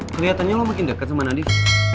keliatannya lo makin dekat sama nadif